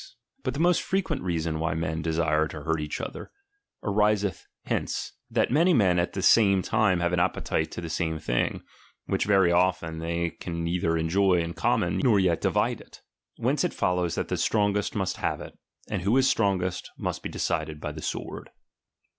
But the most frequent reason why men desire . to hurt each other, ariseth hence, that many men at the same time have an appetite to the same thing ; which yet very often they can neither enjoy in common, nor yet divide it ; whence it follows that the strongest must have it, and who is strongest must be decided by the sword.